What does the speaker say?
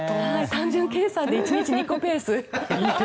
単純計算で１日２個ペース。